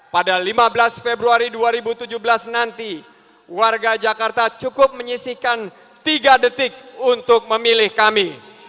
pada lima belas februari dua ribu tujuh belas nanti warga jakarta cukup menyisikan tiga detik untuk memilih kami